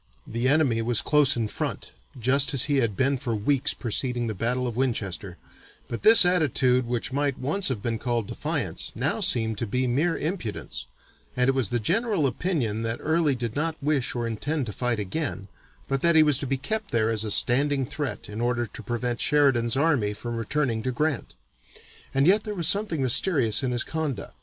The enemy was close in front, just as he had been for weeks preceding the battle of Winchester, but this attitude which might once have been called defiance, now seemed to be mere impudence, and it was the general opinion that Early did not wish or intend to fight again, but that he was to be kept there as a standing threat in order to prevent Sheridan's army from returning to Grant. And yet there was something mysterious in his conduct.